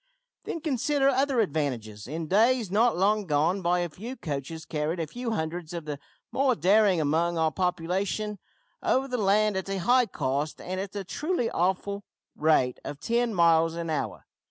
"Then, consider other advantages. In days not long gone by a few coaches carried a few hundreds of the more daring among our population over the land at a high cost and at the truly awful rate of ten miles an hour.